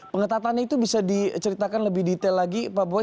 pengetatannya itu bisa diceritakan lebih detail lagi pak boy